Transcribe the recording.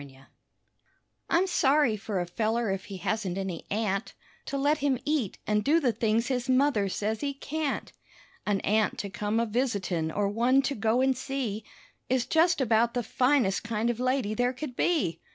Aunty I'm sorry for a feller if he hasn't any aunt, To let him eat and do the things his mother says he can't. An aunt to come a visitin' or one to go and see Is just about the finest kind of lady there could be.